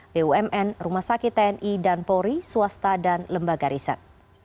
bumn rumah sakit tni dan polri swasta dan lembaga riset